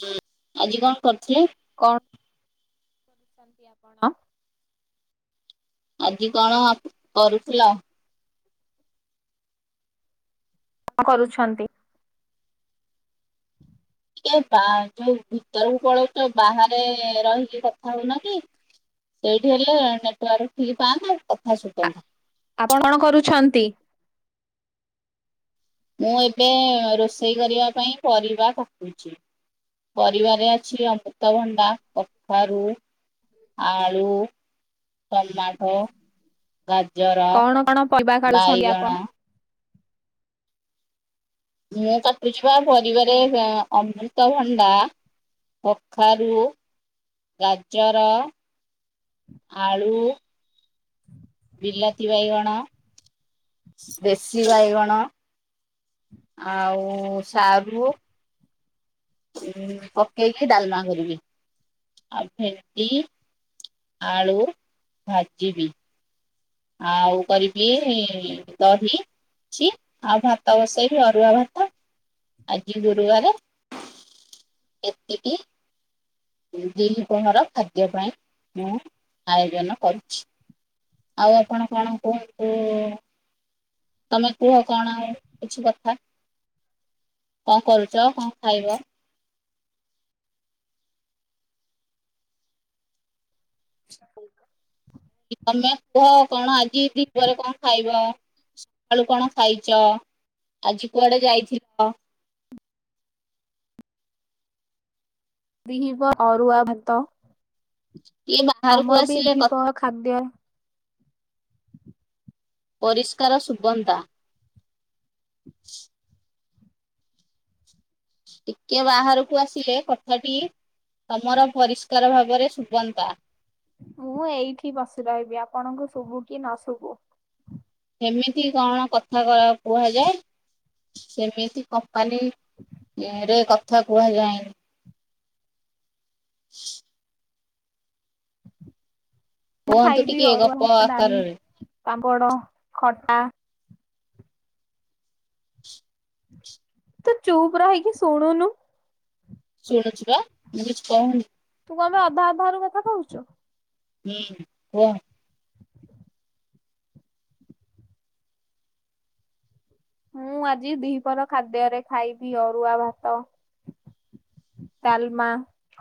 ହୁଁ ଆଜି କଣ କରିଥିଲେ? କ କରୁଚନ୍ତି ଆପଣ? ଆଜି କଣ ଆପ କରୁଥିଲ? କଣ କରୁଛନ୍ତି? [unintelligible] ଯୋଉ ଭିତରକୁ ପଳୋଉଚ ବାହାରେ ରହିକି କଥା ହୋଉନ କି? ସେଇଠି ହେଲେ ନେଟୱାର୍କ ଠିକ ପାଆନ୍ତା କଥା ଶୁଭନ୍ତା। ଆପଣ କଣ କରୁଛନ୍ତି? ମୁଁ ଏବେ ରୋଷେଇ କରିବା ପାଇଁ ପରିବା କାଟୁଚି। ପରିବାରେ ଅଛି ଅମୃତଭଣ୍ଡା, କଖାରୁ ଆଳୁ, ଟମାଟ ଗାଜର, କଣ କଣ ପରିବା କାଟୁଛନ୍ତି ଆପଣ? ବାଇଗଣ ମୁଁ କାଟୁଛିପା ପରିବାରେ ଅମୃତଭଣ୍ଡା। କଖାରୁ, ଗାଜର ଆଳୁ ବିଲାତି ବାଇଗଣ ବେସି ବାଇଗଣ ଆଉ ସାରୁ ଉଁ ପକେଇ କି ଡାଲମା କରିବି। ଆଉ ଭେଣ୍ଡି, ଆଳୁ ଭାଜିବି। ଆଉ କରିବି ଦହି ଅଛି ଆଉ ଭାତ ବସେଇବି ଅରୁଆ ଭାତ ଆଜି ଗୁରୁବାର। ଏତିକି ଦିପହର ଖାଦ୍ୟ ପାଇଁ ମୁଁ ଆୟୋଜନ କରିଚି। ଆଉ ଆପଣ କଣ କୁହନ୍ତୁ। ତମେ କୁହ କଣ ଆଉ କିଛି କଥା? କଣ କରୁଚ କଣ ଖାଇବ? [inaudible] ତମେ କୁହ କଣ ଆଜି ଦିପହରେ କଣ ଖାଇବ? ସକାଳୁ କଣ ଖାଇଚ ଆଜି କୁଆଡେ ଯାଇଥିଲ? [inaudible] ଦିଇପ ଅରୁୁଆ ଭାତ। ଟିକେ ବାହାରକୁ ଆମର ବି ଆସିଲେ କଥା ଦିପହର ଖାଦ୍ୟ। ପରିଷ୍କାର ସୁଗନ୍ତା। [inaudible] ଟିକେ ବାହାରକୁ ଆସିଲେ କଥାଟି ତମର ପରିଷ୍ [inaudible] ମୁଁ ଏଇଠି ବସି ରହିବି ଆପଣଙ୍କୁ ଶୁଭୁ କି ନ ଶୁଭୁ। ସେମିତି କଣ କଥା କ କୁହାଯାଏ ସେମିତି କ କାଲି ରେ କଥା କୁହାଯାଏନି। [inaudible] ମୁଁ କୁହନ୍ତୁ ଖାଇବି ଟିକେ ଅରୁଆ ଗପ ଭାତ ଡାଲି ଆକାରରେ। ପାମ୍ପଡ ଖଟା ତୁ ଚୁପ ରହିକି ଶୁଣୁନୁ। ଶୁଣୁଛୁ ବା ମୁଁ କିଛି କହୁନି। ଫୋନ ଅଧା ଅଧା ରୁ କଥା କହୁଛୁ। ହୁଁ କୁହ? ମୁଁ ଆଜି ଦିପହର ଖାଦ୍ୟରେ ଖାଇବି ଅରୁଆ ଭାତ। ଡାଲମା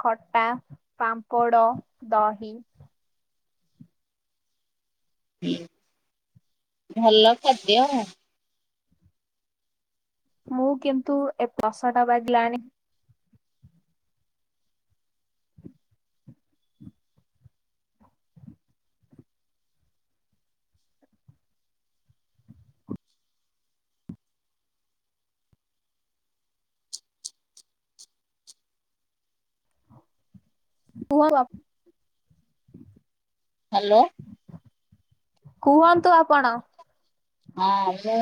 ଖଟା ପାମ୍ପଡ଼ ଦହି ହୁଁ [inaudible] ଭଲ ଖାଦ୍ୟ। ମୁଁ କିନ୍ତୁ ଏ ଦଶ ଟା ବଗିଲାଣି କୁହ [inaudible] ହ୍ୟାଲୋ। କୁହନ୍ତୁ ଆପଣ? ହଁ ମୁଁ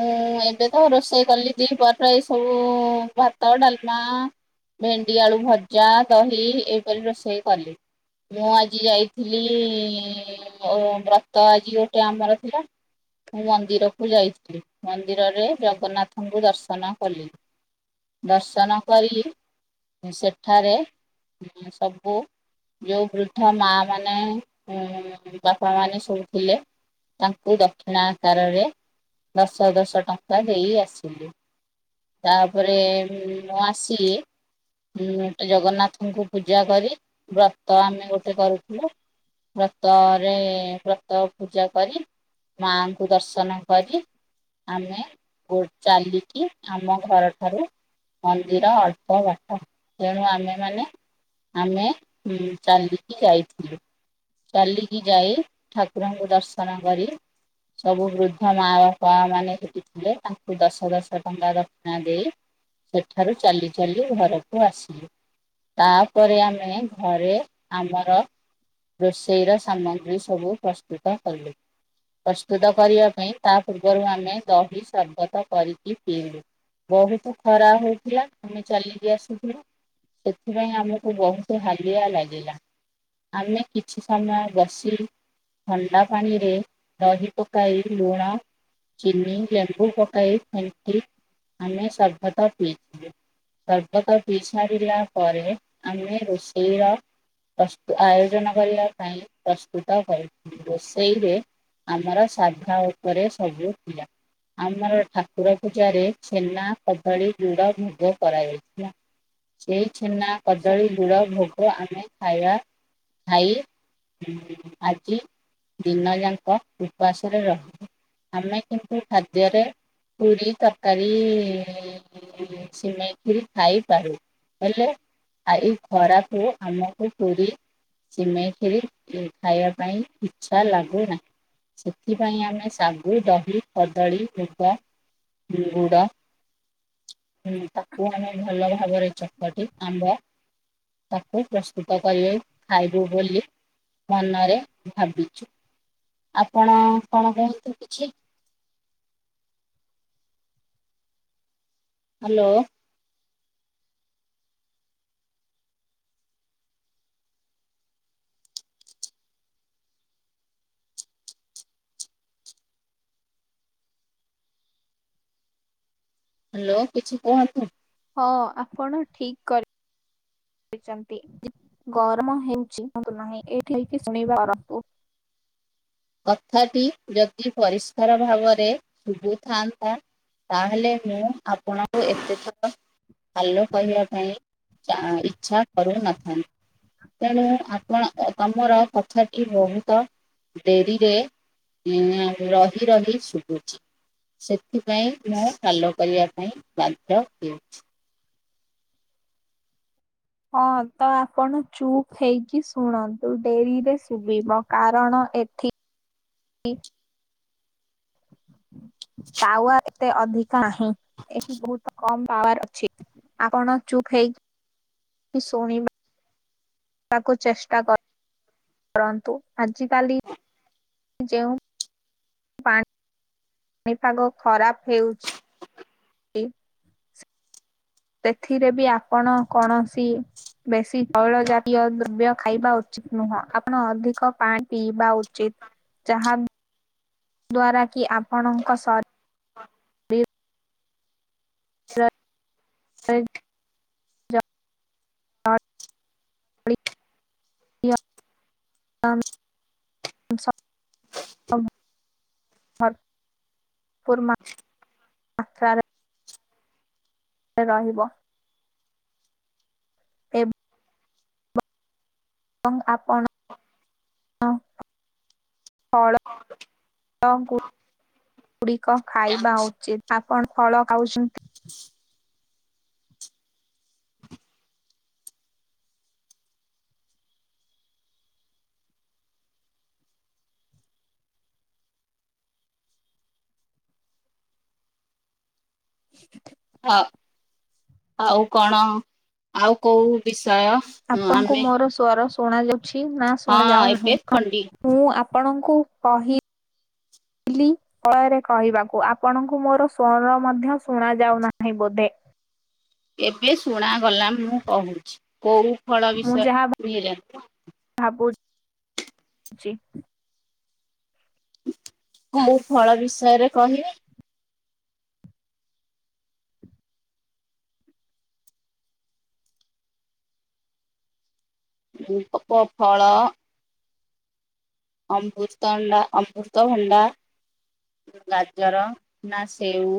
ଏବେ ତ ରୋଷେଇ କଲି ଦି ବଟ ଏ ସବୁ ଭାତ ଡାଲମା। ଭେଣ୍ଡି ଆଳୁ ଭଜା ଦହି ଏପରି ରୋଷେଇ କଲି। ମୁଁ ଆଜି ଯାଇଥିଲି ମୋର ବ୍ରତ ଆଜି ଗୋଟେ ଆମର ଥିଲା। ମୁଁ ମନ୍ଦିରକୁ ଯାଇଥିଲି ମନ୍ଦିରରେ ଜଗନ୍ନାଥଙ୍କୁ ଦର୍ଶନ କଲି। ଦର୍ଶନ କରି ସେଠାରେ ସବୁ ଯୋଉ ବୃଦ୍ଧ ମା ମାନେ ବାପା ମାନେ ସବୁ ଥିଲେ ତାଙ୍କୁ ଦକ୍ଷିଣା ଆକାରରେ ଦଶ ଦଶ ଟଙ୍କା ଦେଇ ଆସିଲି। ତାପରେ ନଆସି ହଁ ଜଗନ୍ନାଥଙ୍କୁ ପୂଜା କରି ବ୍ରତ ଆମେ ଗୋଟେ କରୁଥିଲୁ। ବ୍ରତରେ ବ୍ରତ ପୂଜା କରି ମାଙ୍କୁ ଦର୍ଶନ କରି ଆମେ ଚାଲିକି ଆମ ଘରଠାରୁ ମନ୍ଦିର ଅଳ୍ପ ବାଟ ତେଣୁ ଆମେମାନେ ଆମେ ଚାଲିକି ଯାଇଥିଲୁ। ଚାଲିକି ଯାଇ ଠାକୁରଙ୍କୁ ଦର୍ଶନ କରି ସବୁ ବୃଦ୍ଧ ମା ବାପା ମାନେ ହେଟିଥିଲେ ତାଙ୍କୁ ଦଶ ଦଶ ଟଙ୍କା ଦକ୍ଷଣା ଦେଇ ସେଠାରୁ ଚାଲି ଚାଲି ଘରକୁ ଆସିଲୁ । ତାପରେ ଆମେ ଘରେ ଆମର ରୋଷେଇ ର ସାମଗ୍ରୀ ସବୁ ପ୍ରସ୍ତୁତ କଲୁ। ପ୍ରସ୍ତୁତ କରିବା ପାଇଁ ତା ପୂର୍ବରୁ ଆମେ ଦହି ସର୍ବତ କରିକି ପିଇଲୁ। ବହୁତ ଖରା ହଉଥିଲା ଆମେ ଚାଲିକି ଆସୁଥିଲୁ। ସେଥିପାଇଁ ଆମକୁ ବହୁତ ହାଲିଆ ଲାଗିଲା। ଆମେ କିଛି ସମୟ ବସି ଥଣ୍ଡା ପାଣିରେ ଦହି ପକାଇ ଲୁଣ ଚିିନି ଲେମ୍ବୁ ପକାଇ ଫେଣ୍ଟି ଆମେ ସର୍ବତ ପିଇଥିଲୁ। ସର୍ବତ ପିଇ ସାରିଲା ପରେ ଆମେ ରୋଷେଇର ପ୍ର ଆୟୋଜନ କରିବା ପାଇଁ ପ୍ରସ୍ତୁତ ହୋଇଥିଲୁ। ରୋଷେଇରେ ଆମର ସାଧ୍ୟା ଉପରେ ସବୁ ଥିଲା। ଆମର ଠାକୁର ପୂଜାରେ ଛେନା କଦଳୀ ଗୁଡ ଭୋଗ କରାଯାଇଥିଲା। ସେଇ ଛେନା କଦଳୀ ଗୁଡ ଭୋଗ ଆମେ ଖାଇବା ଖାଇ ଆଜି [inaudible] ଦିନ ଯାଙ୍କ ଉପାସ ରହୁ ଆମେ କିନ୍ତୁ ଖାଦ୍ୟରେ ପୁୁରି ତରକାରୀ ସିମାଇ ଖୀରି ଖାଇ ପାରୁ। ହେଲେ ଏଇ ଖରାକୁ ଆମକୁ ପୁରୀ ସିମେଇ ଖୀରି ଖାଇବା ପାଇଁ ଇଛା ଲାଗୁନାହିଁ। ସେଥିପାଇଁ ଆମେ ଶାଗୁ, ଦହି, କଦଳୀ, ଭୋଗ, ଗୁଡ ହୁଁ ତାକୁ ଆମେ ଭଲ ଭାବରେ ଚକଟି ଆମ୍ବ ତାକୁ ପ୍ରସ୍ତୁତ କରିବେ ଖାଇବୁ ବୋଲି ମନରେ ଭାବିଚୁ ଆପଣ ପଣ କଣ କୁହନ୍ତୁ କିଛି? ହାଲୋ। ହାଲୋ କିଛି କୁହନ୍ତୁ। ହଁ ଆପଣ ଠିକ କରି ଚନ୍ତି। ଗରମ ହେଉଚି [unintelligible] ନାହିଁ ଏଠ ଶୁଣି ରନ୍ତୁ [inaudible] କଥାଟି ଯଦି ପରିଷ୍କାର ଭାବରେ ଶୁଭୁଥାନ୍ତା ତାହେଲେ ମୁଁ ଆପଣଙ୍କୁ ଏତେ ଥର ଭଲ କହିବା ପାଇଁ ଚା ଇଚ୍ଛା କରୁନାହିଁ। ତେଣୁ ଆପଣ ତମର କଥାଟି ବହୁତ ଡେରିରେ ଉ ରହି ରହି ଶୁଭୁଚି। ସେଥିପାଇଁ ମୁଁ କାଲ କରିବା ପାଇଁ ବାଧ୍ୟ ହୋଇଚି। ହଁ ତ ଆପଣ ଚୁପ୍ ହେଇକି ଶୁଣନ୍ତୁ ଡେରିରେ ଶୁଭିବ କାରଣ ଏଥିି ପାୱାର ଏତେ ଅଧିକ ନାହିଁ ଏଠି ବହୁତ କମ ପାୱାର ଅଛି। ଆପଣ ଚୁପ୍ ହେଇକି ଶୁଣିବ ବାକୁ ଚେଷ୍ଟା କର। କରନ୍ତୁ । ଆଜିକାଲି ଯେଉଁ ପାଣି ପାଣିପାଗ ଖରାପ ହେଉଚି ସେଥିରେ ବି ଆପଣ କୌଣସି ବେଶୀ ତୈଳ ଜାତୀୟ ଦ୍ରବ୍ୟ ଖାଇବା ଉଚିତ ନୁହଁ। ଆପଣ ଅଧିକ ପାଣି ପିଇବା ଉଚିତ ଯାହା ଦ୍ଵାରା କି ଆପଣଙ୍କ ଶରୀ ହ ଯାଉ [unintelligible] ଭର ପୁରମା ମାତ୍ରାରେ ରହିବ। ଏବଂ ଆପଣ [unintelligible] ଫଳ ହଂ କ [unintelligible] ଗୁଡିକ ଖାଇବା ଉଚିତ । ଆପଣ ଫଳ ଖାଉଚନ୍ତି [inaudible] ହଉ ଆଉ କଣ ଆଉ କୋଉ ବିଷ ଆପଣଙ୍କୁ ମୋର ସ୍ଵର ଶୁଣ ଯାଉଛି ନା ଶୁଣ ହଁ ଯାଉ ନାହିଁ ଏବେ ଖଣ୍ଡି ।ମୁଁ ଆପଣଙ୍କ କୁୁ କହି [inaudible] ଲି ପରେ କହିବାକୁ ଆପଣଙ୍କୁ ମୋର ସ୍ଵର ମଧ୍ୟ ଶୁଣ ଯାଉ ନାହିଁ ବୋଧେ। ଏବେ ଶୁଣାଗଲା ମୁଁ କହୁଚି କୋଉ ଫଳ ମୁଁ ବିଷୟ ଇଏ। ଜୀ। ମୁଁ ଫଳ ବିଷୟରେ କହିବି। ଦୀପକ ଫଳ। ଅମୁତଣ୍ଡା ଅମୃତଭଣ୍ଡା ଗାଜର ନା ସେଉ?